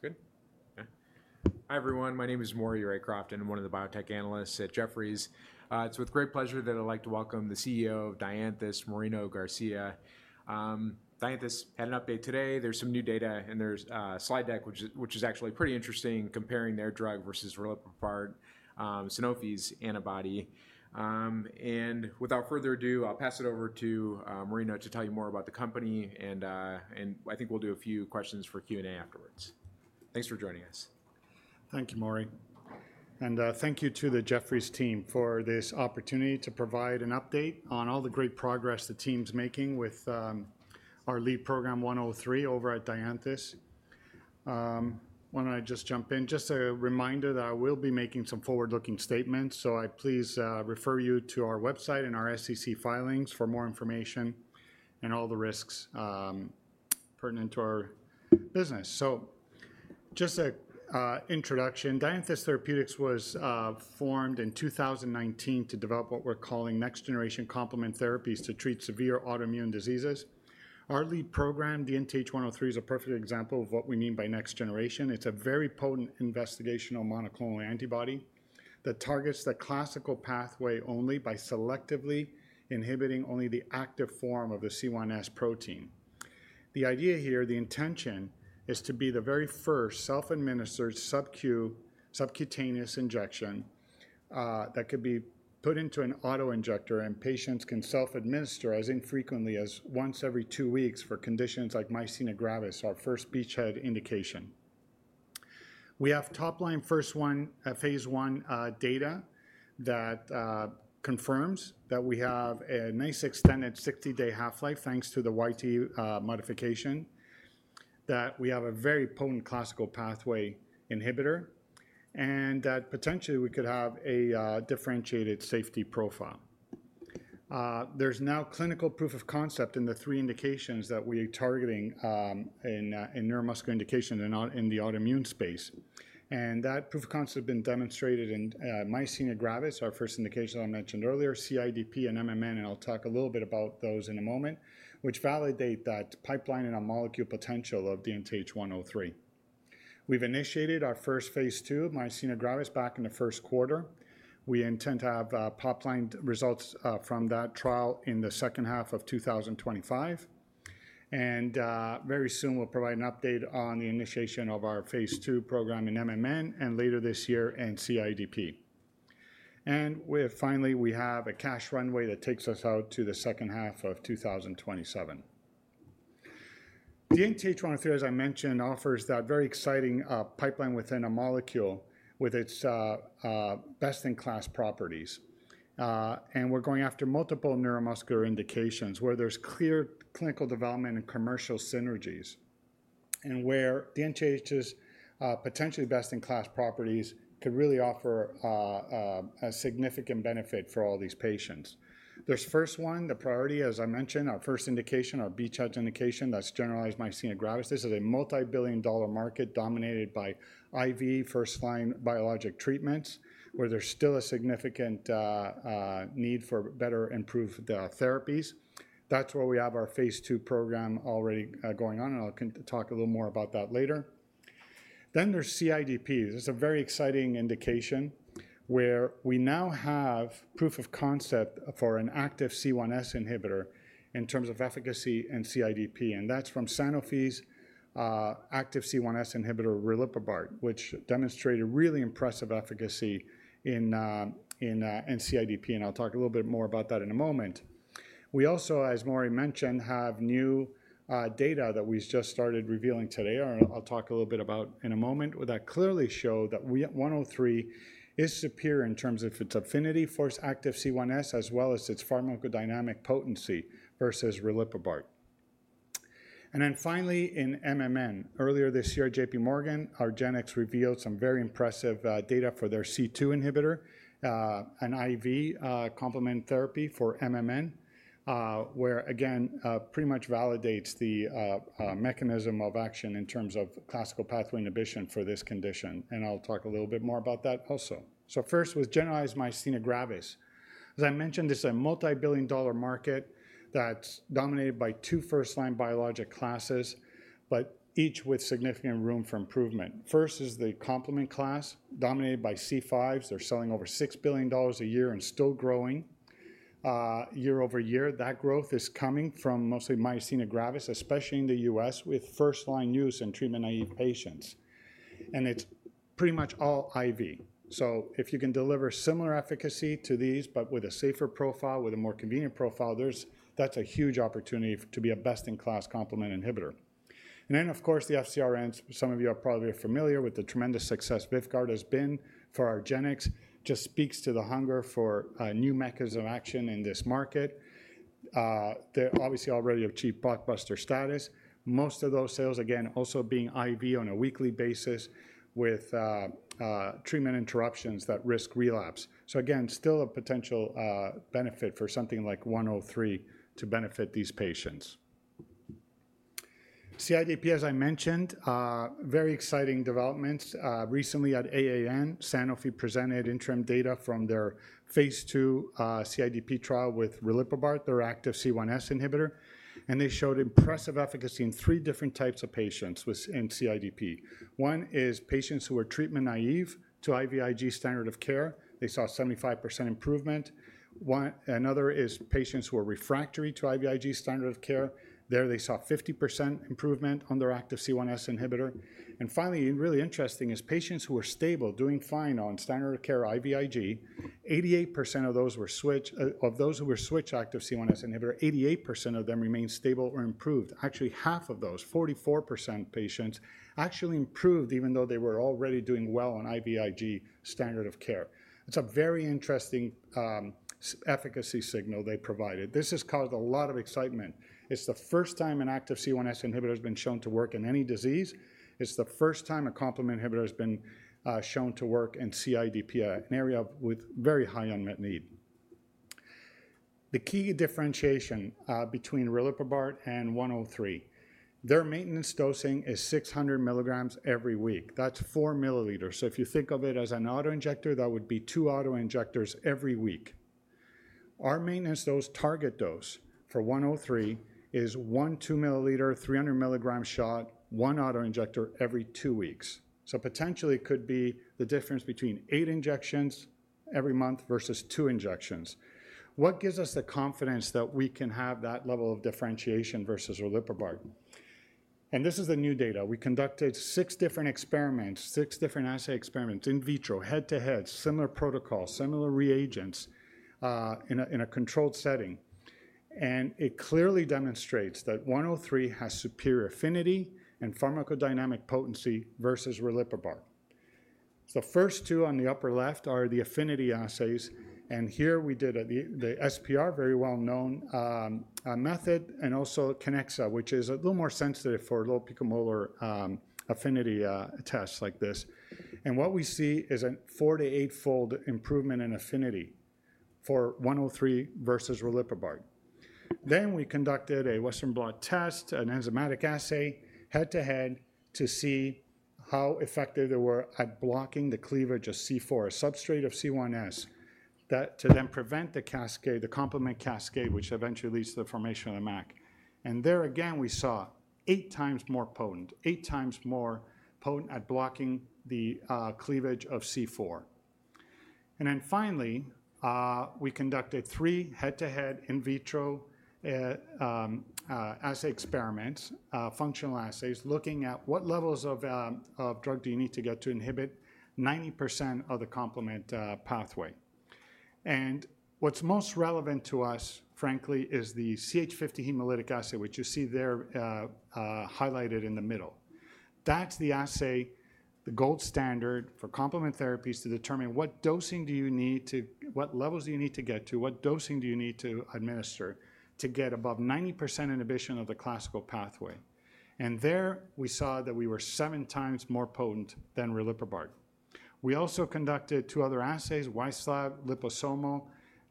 Good. Hi, everyone. My name is Maury Raycroft. I'm one of the biotech analysts at Jefferies. It's with great pleasure that I'd like to welcome the CEO of Dianthus Therapeutics, Marino Garcia. Dianthus had an update today. There's some new data, and there's a slide deck which is actually pretty interesting comparing their drug versus riliprubart Sanofi's antibody. Without further ado, I'll pass it over to Marino to tell you more about the company. I think we'll do a few questions for Q&A afterwards. Thanks for joining us. Thank you, Maury. Thank you to the Jefferies team for this opportunity to provide an update on all the great progress the team's making with our lead program DNTH103 over at Dianthus. Why don't I just jump in? Just a reminder that I will be making some forward-looking statements. So I please refer you to our website and our SEC filings for more information and all the risks pertinent to our business. Just an introduction, Dianthus Therapeutics was formed in 2019 to develop what we're calling next-generation complement therapies to treat severe autoimmune diseases. Our lead program, the DNTH103, is a perfect example of what we mean by next generation. It's a very potent investigational monoclonal antibody that targets the classical pathway only by selectively inhibiting only the active form of the C1s protein. The idea here, the intention, is to be the very first self-administered subcutaneous injection that could be put into an autoinjector, and patients can self-administer as infrequently as once every two weeks for conditions like myasthenia gravis, our first beachhead indication. We have top-line Phase I data that confirms that we have a nice extended 60-day half-life thanks to the YTE modification, that we have a very potent classical pathway inhibitor, and that potentially we could have a differentiated safety profile. There's now clinical proof of concept in the three indications that we are targeting in neuromuscular indication and not in the autoimmune space. That proof of concept has been demonstrated in myasthenia gravis, our first indication I mentioned earlier, CIDP and MMN, and I'll talk a little bit about those in a moment, which validate that pipeline and our molecule potential of the DNTH103. We've initiated our first Phase II, myasthenia gravis, back in the Q1. We intend to have pipeline results from that trial in the second half of 2025. Very soon, we'll provide an update on the initiation of our Phase II program in MMN and later this year in CIDP. Finally, we have a cash runway that takes us out to the second half of 2027. The DNTH103, as I mentioned, offers that very exciting pipeline within a molecule with its best-in-class properties. We're going after multiple neuromuscular indications where there's clear clinical development and commercial synergies, and where the DNTH103's potentially best-in-class properties could really offer a significant benefit for all these patients. There's first one, the priority, as I mentioned, our first indication, our beachhead indication, that's generalized myasthenia gravis. This is a multi-billion dollar market dominated by IV first-line biologic treatments where there's still a significant need for better improved therapies. That's where we have our Phase II program already going on, and I'll talk a little more about that later. Then there's CIDP. This is a very exciting indication where we now have proof of concept for an active C1s inhibitor in terms of efficacy and CIDP. And that's from Sanofi's active C1s inhibitor, riliprubart, which demonstrated really impressive efficacy in CIDP. And I'll talk a little bit more about that in a moment. We also, as Maury mentioned, have new data that we've just started revealing today, or I'll talk a little bit about in a moment, that clearly show that 103 is superior in terms of its affinity for active C1s as well as its pharmacodynamic potency versus riliprubart. And then finally, in MMN, earlier this year, J.P. Morgan, argenx, revealed some very impressive data for their C2 inhibitor, an IV complement therapy for MMN, where again, pretty much validates the mechanism of action in terms of classical pathway inhibition for this condition. I'll talk a little bit more about that also. First was generalized myasthenia gravis. As I mentioned, this is a multi-billion dollar market that's dominated by two first-line biologic classes, but each with significant room for improvement. First is the complement class dominated by C5s. They're selling over $6 billion a year and still growing year-over-year. That growth is coming from mostly myasthenia gravis, especially in the U.S. with first-line use in treatment-naive patients. It's pretty much all IV. So if you can deliver similar efficacy to these, but with a safer profile, with a more convenient profile, that's a huge opportunity to be a best-in-class complement inhibitor. And then, of course, the FcRns, some of you are probably familiar with the tremendous success VYVGART has been for argenx, just speaks to the hunger for new mechanisms of action in this market. They're obviously already achieved blockbuster status. Most of those sales, again, also being IV on a weekly basis with treatment interruptions that risk relapse. So again, still a potential benefit for something like 103 to benefit these patients. CIDP, as I mentioned, very exciting developments. Recently at AAN, Sanofi presented interim data from their Phase II CIDP trial with riliprubart, their active C1s inhibitor. And they showed impressive efficacy in 3 different types of patients in CIDP. One is patients who are treatment naive to IVIG standard of care. They saw 75% improvement. Another is patients who are refractory to IVIG standard of care. There, they saw 50% improvement on their active C1s inhibitor. And finally, really interesting is patients who are stable, doing fine on standard of care IVIG, 88% of those who were switched active C1s inhibitor, 88% of them remained stable or improved. Actually, half of those, 44% patients, actually improved even though they were already doing well on IVIG standard of care. It's a very interesting efficacy signal they provided. This has caused a lot of excitement. It's the first time an active C1s inhibitor has been shown to work in any disease. It's the first time a complement inhibitor has been shown to work in CIDP, an area with very high unmet need. The key differentiation between riliprubart and 103, their maintenance dosing is 600 mg every week. That's 4 milliliters. So if you think of it as an autoinjector, that would be 2 autoinjectors every week. Our maintenance dose target dose for 103 is one 2 milliliter, 300 milligram shot, one autoinjector every two weeks. So potentially, it could be the difference between 8 injections every month versus 2 injections. What gives us the confidence that we can have that level of differentiation versus riliprubart? And this is the new data. We conducted 6 different experiments, 6 different assay experiments, in vitro, head-to-head, similar protocols, similar reagents in a controlled setting. And it clearly demonstrates that 103 has superior affinity and pharmacodynamic potency versus riliprubart. The first 2 on the upper left are the affinity assays. Here we did the SPR, very well-known method, and also KinExA, which is a little more sensitive for low-picomolar affinity tests like this. What we see is a 4- to 8-fold improvement in affinity for 103 versus riliprubart. We conducted a Western blot test, an enzymatic assay, head-to-head to see how effective they were at blocking the cleavage of C4, a substrate of C1s, to then prevent the cascade, the complement cascade, which eventually leads to the formation of the MAC. There again, we saw 8 times more potent, 8 times more potent at blocking the cleavage of C4. Finally, we conducted 3 head-to-head in vitro assay experiments, functional assays, looking at what levels of drug do you need to get to inhibit 90% of the complement pathway. What's most relevant to us, frankly, is the CH50 hemolytic assay, which you see there highlighted in the middle. That's the assay, the gold standard for complement therapies to determine what dosing do you need to, what levels do you need to get to, what dosing do you need to administer to get above 90% inhibition of the classical pathway. And there we saw that we were 7 times more potent than riliprubart. We also conducted 2 other assays, Wieslab, liposomal,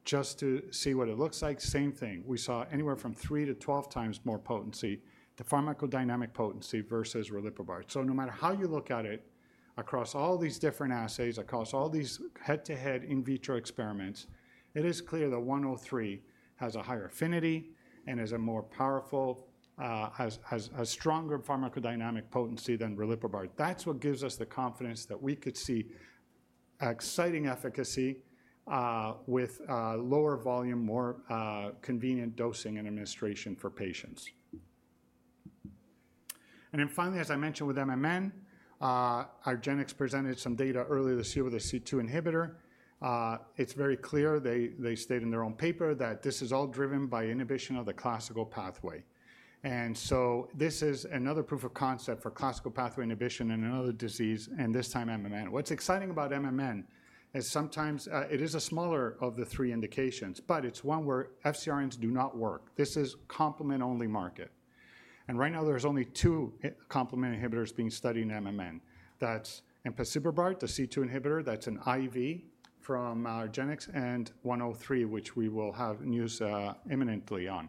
just to see what it looks like. Same thing. We saw anywhere from 3-12 times more potency, the pharmacodynamic potency versus riliprubart. So no matter how you look at it, across all these different assays, across all these head-to-head in vitro experiments, it is clear that 103 has a higher affinity and is a more powerful, has a stronger pharmacodynamic potency than riliprubart. That's what gives us the confidence that we could see exciting efficacy with lower volume, more convenient dosing and administration for patients. Then finally, as I mentioned with MMN, our argenx presented some data earlier this year with a C2 inhibitor. It's very clear, they state in their own paper, that this is all driven by inhibition of the classical pathway. And so this is another proof of concept for classical pathway inhibition in another disease, and this time MMN. What's exciting about MMN is sometimes it is a smaller of the three indications, but it's one where FcRns do not work. This is complement-only market. And right now, there's only two complement inhibitors being studied in MMN. That's empasiprubart, the C2 inhibitor, that's an IV from argenx, and 103, which we will have news imminently on.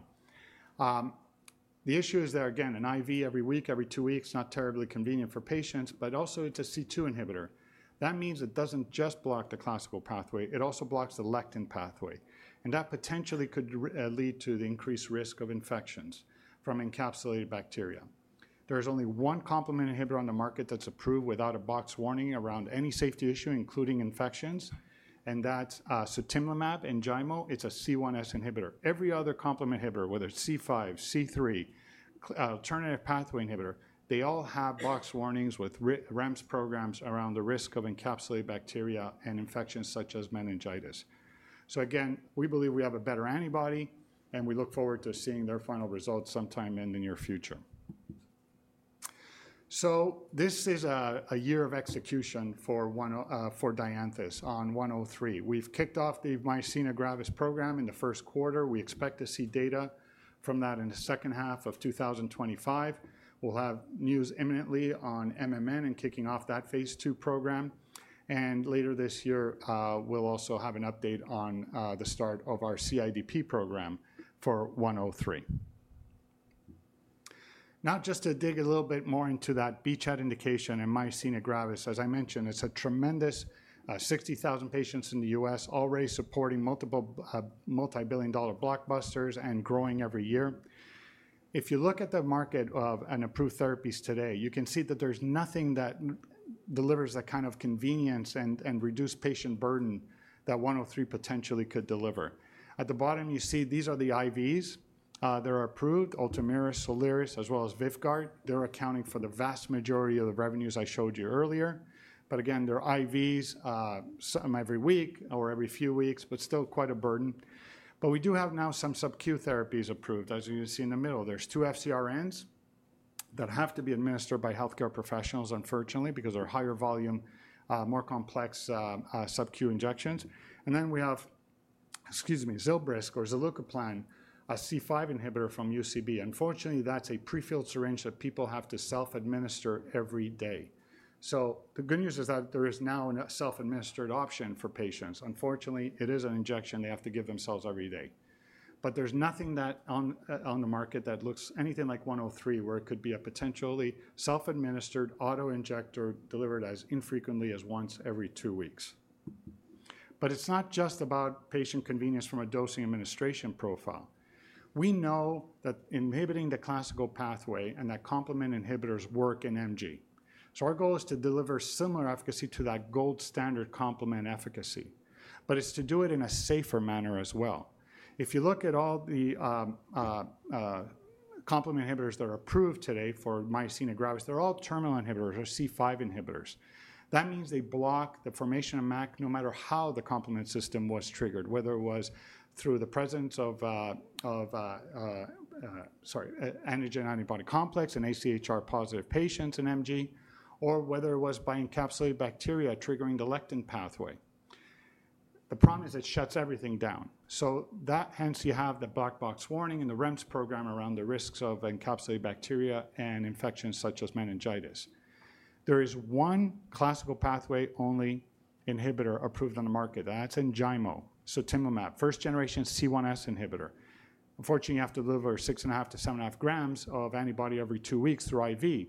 The issue is there, again, an IV every week, every two weeks, not terribly convenient for patients, but also it's a C2 inhibitor. That means it doesn't just block the classical pathway. It also blocks the lectin pathway. And that potentially could lead to the increased risk of infections from encapsulated bacteria. There is only one complement inhibitor on the market that's approved without a box warning around any safety issue, including infections. And that's sutimlimab, Enjaymo. It's a C1s inhibitor. Every other complement inhibitor, whether it's C5, C3, alternative pathway inhibitor, they all have box warnings with REMS programs around the risk of encapsulated bacteria and infections such as meningitis. So again, we believe we have a better antibody, and we look forward to seeing their final results sometime in the near future. So this is a year of execution for Dianthus on 103. We've kicked off the myasthenia gravis program in the Q1. We expect to see data from that in the second half of 2025. We'll have news imminently on MMN and kicking off that Phase II program. Later this year, we'll also have an update on the start of our CIDP program for 103. Now, just to dig a little bit more into that beachhead indication and myasthenia gravis, as I mentioned, it's a tremendous 60,000 patients in the U.S., already supporting multiple multi-billion dollar blockbusters and growing every year. If you look at the marketed and approved therapies today, you can see that there's nothing that delivers that kind of convenience and reduced patient burden that 103 potentially could deliver. At the bottom, you see these are the IVs. They're approved, Ultomiris, Soliris, as well as VYVGART. They're accounting for the vast majority of the revenues I showed you earlier. But again, they're IVs some every week or every few weeks, but still quite a burden. But we do have now some subQ therapies approved, as you can see in the middle. There's two FcRns that have to be administered by healthcare professionals, unfortunately, because they're higher volume, more complex subQ injections. And then we have, excuse me, Zilbrysq, or zilucoplan, a C5 inhibitor from UCB. Unfortunately, that's a prefilled syringe that people have to self-administer every day. So the good news is that there is now a self-administered option for patients. Unfortunately, it is an injection they have to give themselves every day. But there's nothing that on the market that looks anything like 103, where it could be a potentially self-administered autoinjector delivered as infrequently as once every two weeks. But it's not just about patient convenience from a dosing administration profile. We know that inhibiting the classical pathway and that complement inhibitors work in MG. So our goal is to deliver similar efficacy to that gold standard complement efficacy. But it's to do it in a safer manner as well. If you look at all the complement inhibitors that are approved today for myasthenia gravis, they're all terminal inhibitors or C5 inhibitors. That means they block the formation of MAC no matter how the complement system was triggered, whether it was through the presence of, sorry, antigen-antibody complex and AChR-positive patients in MG, or whether it was by encapsulated bacteria triggering the lectin pathway. The problem is it shuts everything down. So that hence you have the black box warning and the REMS program around the risks of encapsulated bacteria and infections such as meningitis. There is one classical pathway-only inhibitor approved on the market. That's Enjaymo, sutimlimab, first-generation C1s inhibitor. Unfortunately, you have to deliver 6.5 to 7.5 grams of antibody every two weeks through IV.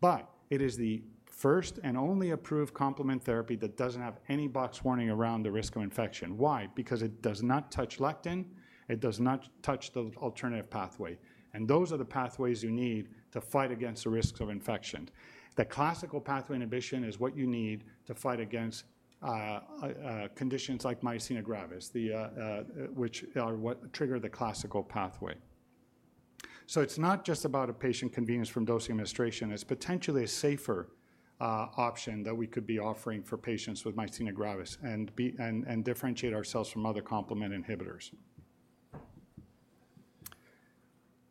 But it is the first and only approved complement therapy that doesn't have any box warning around the risk of infection. Why? Because it does not touch lectin. It does not touch the alternative pathway. And those are the pathways you need to fight against the risks of infection. The classical pathway inhibition is what you need to fight against conditions like myasthenia gravis, which are what trigger the classical pathway. So it's not just about a patient convenience from dosing administration. It's potentially a safer option that we could be offering for patients with myasthenia gravis and differentiate ourselves from other complement inhibitors.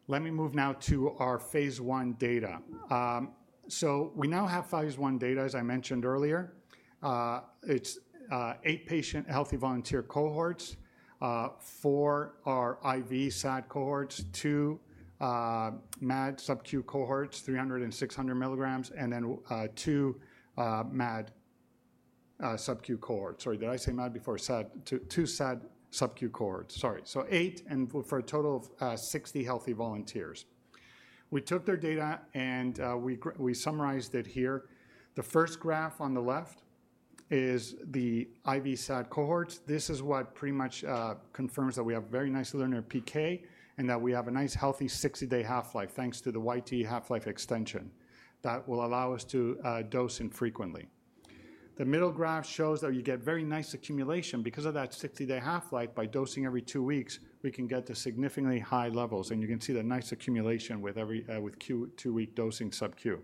Let me move now to our Phase one data. So we now have Phase I data, as I mentioned earlier. It's 8 healthy volunteer cohorts, 4 are IV SAD cohorts, 2 MAD subQ cohorts, 300 and 600 mg summarized it here. The first graph on the left is the IV SAD cohorts. This is what pretty much confirms that we have very nice linear PK and that we have a nice healthy 60-day half-life, thanks to the YTE half-life extension that will allow us to dose infrequently. The middle graph shows that you get very nice accumulation because of that 60-day half-life. By dosing every 2 weeks, we can get to significantly high levels. You can see the nice accumulation with every two-week dosing subQ.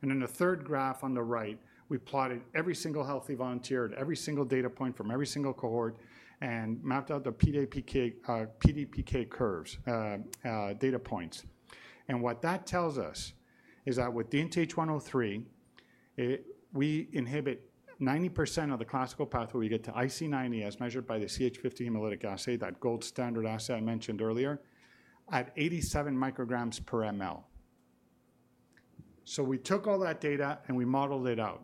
Then the third graph on the right, we plotted every single healthy volunteer at every single data point from every single cohort and mapped out the PK/PD curves data points. What that tells us is that with DNTH103, we inhibit 90% of the classical pathway. We get to IC90, as measured by the CH50 hemolytic assay, that gold standard assay I mentioned earlier, at 87 mcg per mL. We took all that data and we modeled it out.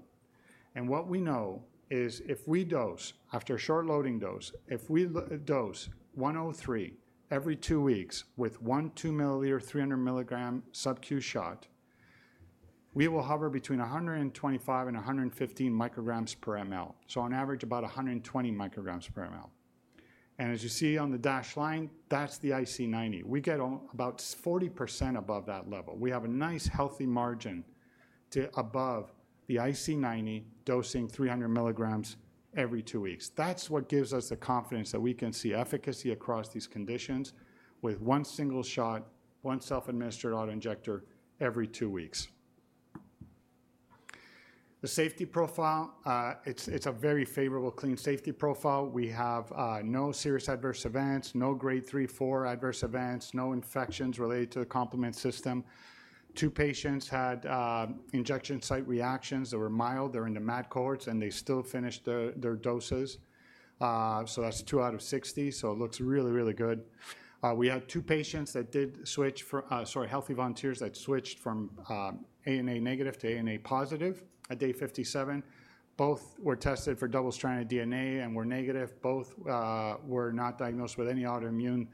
What we know is if we dose after a short loading dose, if we dose 103 every two weeks with one 2 mL, 300 mg subQ shot, we will hover between 125-115 mcg per mL. On average, about 120 mcg per mL. As you see on the dashed line, that's the IC90. We get about 40% above that level. We have a nice healthy margin above the IC90 dosing 300 mg every two weeks. That's what gives us the confidence that we can see efficacy across these conditions with one single shot, one self-administered autoinjector every two weeks. The safety profile, it's a very favorable clean safety profile. We have no serious adverse events, no grade three, four adverse events, no infections related to the complement system. Two patients had injection site reactions that were mild. They're in the MAD cohorts and they still finished their doses. So that's two out of 60. So it looks really, really good. We had two patients that did switch from, sorry, healthy volunteers that switched from ANA negative to ANA positive at day 57. Both were tested for double-stranded DNA and were negative. Both were not diagnosed with any autoimmune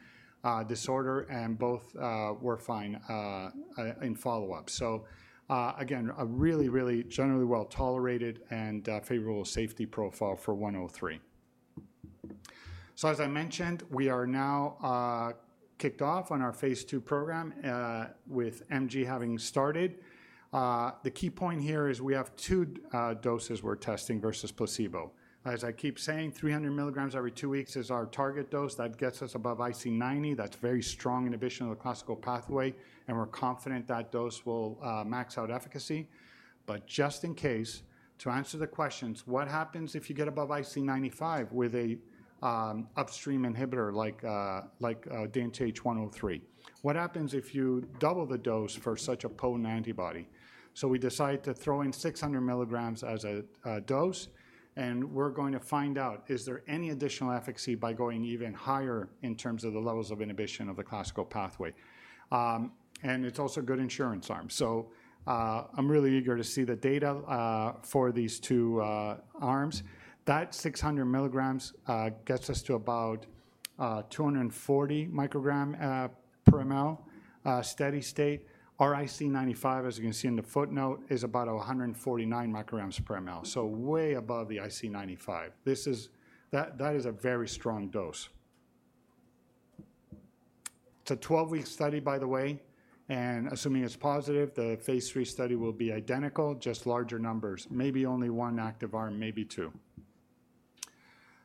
disorder and both were fine in follow-up. So again, a really, really generally well tolerated and favorable safety profile for 103. So as I mentioned, we are now kicked off on our Phase II program with MG having started. The key point here is we have 2 doses we're testing versus placebo. As I keep saying, 300 mg every 2 weeks is our target dose. That gets us above IC90. That's very strong inhibition of the classical pathway. And we're confident that dose will max out efficacy. But just in case, to answer the questions, what happens if you get above IC95 with an upstream inhibitor like DNTH103? What happens if you double the dose for such a potent antibody? So we decide to throw in 600 mg as a dose. We're going to find out, is there any additional efficacy by going even higher in terms of the levels of inhibition of the classical pathway? And it's also a good insurance arm. So I'm really eager to see the data for these two arms. That 600 mg gets us to about 240 mcg per mL steady state. Our IC95, as you can see in the footnote, is about 149 mcg per mL. So way above the IC95. This is, that is a very strong dose. It's a 12-week study, by the way. And assuming it's positive, the Phase III study will be identical, just larger numbers. Maybe only one active arm, maybe two.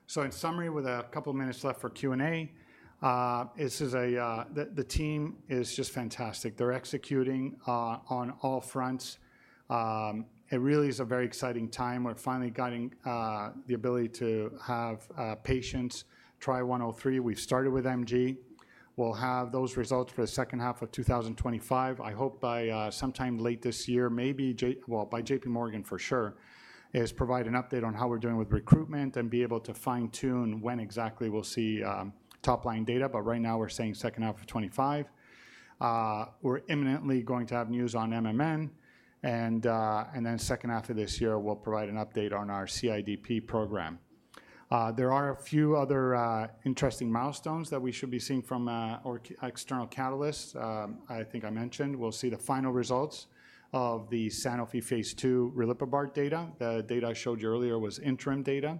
So in summary, with a couple of minutes left for Q&A, this is, the team is just fantastic. They're executing on all fronts. It really is a very exciting time. We're finally getting the ability to have patients try 103. We've started with MG. We'll have those results for the second half of 2025. I hope by sometime late this year, maybe, well, by JP Morgan for sure, is provide an update on how we're doing with recruitment and be able to fine-tune when exactly we'll see top-line data. But right now, we're saying second half of 2025. We're imminently going to have news on MMN. And then second half of this year, we'll provide an update on our CIDP program. There are a few other interesting milestones that we should be seeing from our external catalysts. I think I mentioned, we'll see the final results of the Sanofi Phase II riliprubart data. The data I showed you earlier was interim data.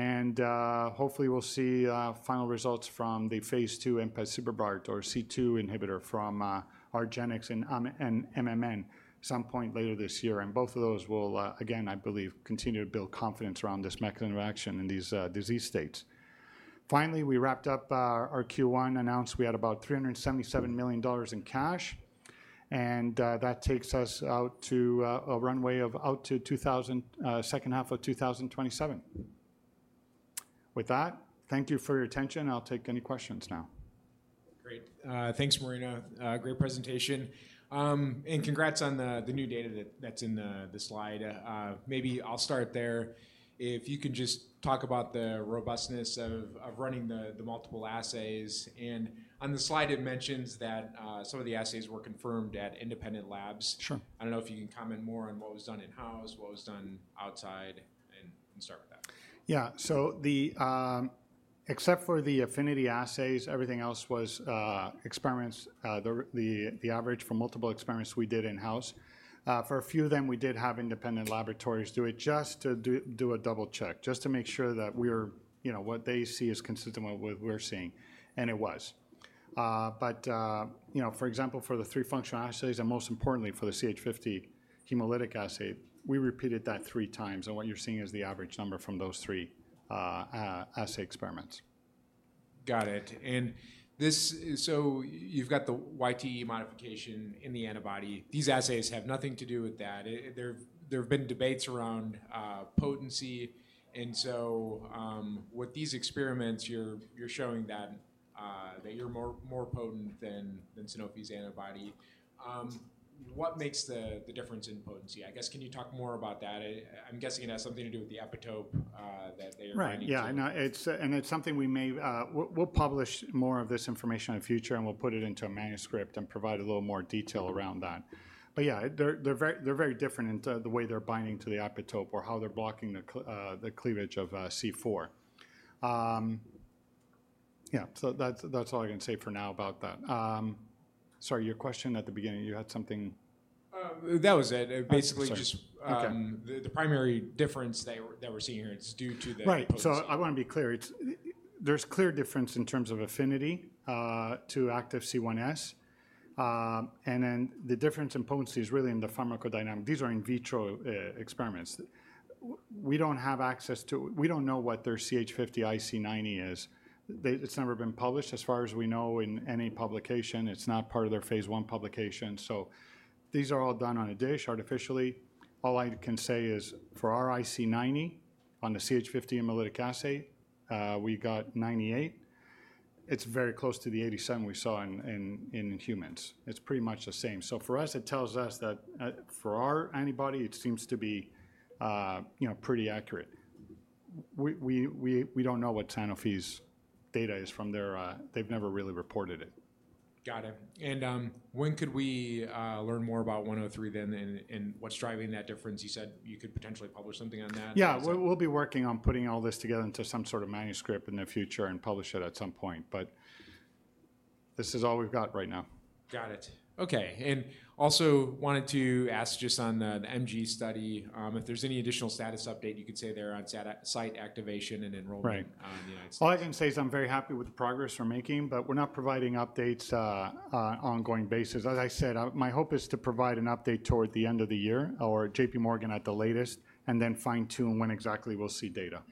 And hopefully, we'll see final results from the Phase II empasiprubart, or C2 inhibitor, from argenx and MMN at some point later this year. And both of those will, again, I believe, continue to build confidence around this mechanism of action in these disease states. Finally, we wrapped up our Q1 announced. We had about $377 million in cash. And that takes us out to a runway out to 2027, second half of 2027. With that, thank you for your attention. I'll take any questions now. Great. Thanks, Marino. Great presentation. And congrats on the new data that's in the slide. Maybe I'll start there. If you can just talk about the robustness of running the multiple assays. And on the slide, it mentions that some of the assays were confirmed at independent labs. I don't know if you can comment more on what was done in-house, what was done outside, and start with that. Yeah. So except for the affinity assays, everything else was experiments, the average for multiple experiments we did in-house. For a few of them, we did have independent laboratories do it just to do a double check, just to make sure that we were, you know, what they see is consistent with what we're seeing. And it was. But, you know, for example, for the three functional assays and most importantly, for the CH50 hemolytic assay, we repeated that three times. And what you're seeing is the average number from those three assay experiments. Got it. And this, so you've got the YTE modification in the antibody. These assays have nothing to do with that. There've been debates around potency. And so with these experiments, you're showing that you're more potent than Sanofi's antibody. What makes the difference in potency? I guess, can you talk more about that? I'm guessing it has something to do with the epitope that they are binding to. Right. Yeah. And it's something we may, we'll publish more of this information in the future, and we'll put it into a manuscript and provide a little more detail around that. But yeah, they're very different in the way they're binding to the epitope or how they're blocking the cleavage of C4. Yeah. So that's all I can say for now about that. Sorry, your question at the beginning, you had something. That was it. Basically, just the primary difference that we're seeing here, it's due to the. Right. So I want to be clear. There's clear difference in terms of affinity to active C1s. And then the difference in potency is really in the pharmacodynamic. These are in vitro experiments. We don't have access to, we don't know what their CH50 IC90 is. It's never been published as far as we know in any publication. It's not part of their Phase one publication. So these are all done on a dish artificially. All I can say is for our IC90 on the CH50 hemolytic assay, we got 98. It's very close to the 87 we saw in humans. It's pretty much the same. So for us, it tells us that for our antibody, it seems to be pretty accurate. We don't know what Sanofi's data is from there. They've never really reported it. Got it. When could we learn more about 103 then and what's driving that difference? You said you could potentially publish something on that. Yeah. We'll be working on putting all this together into some sort of manuscript in the future and publish it at some point. But this is all we've got right now. Got it. Okay. And also wanted to ask just on the MG study, if there's any additional status update you could say there on site activation and enrollment on the? All I can say is I'm very happy with the progress we're making, but we're not providing updates on an ongoing basis. As I said, my hope is to provide an update toward the end of the year or J.P. Morgan at the latest and then fine-tune when exactly we'll see data.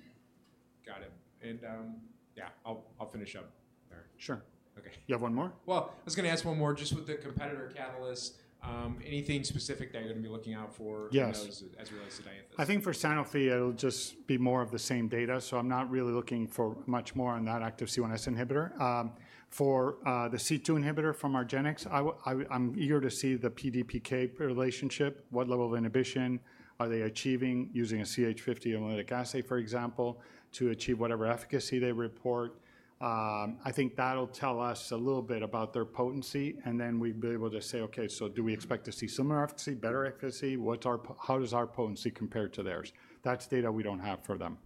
Got it. Yeah, I'll finish up there. Sure. Okay. You have one more? Well, I was going to ask one more just with the competitor catalysts. Anything specific that you're going to be looking out for as it relates to Dianthus? I think for Sanofi, it'll just be more of the same data. I'm not really looking for much more on that active C1s inhibitor. For the C2 inhibitor from argenx, I'm eager to see the PK/PD relationship, what level of inhibition are they achieving using a CH50 hemolytic assay, for example, to achieve whatever efficacy they report. I think that'll tell us a little bit about their potency. And then we'll be able to say, okay, so do we expect to see similar efficacy, better efficacy? How does our potency compare to theirs? That's data we don't have for them.